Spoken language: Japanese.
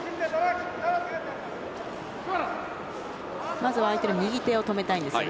まずは相手の右手を止めたいですね。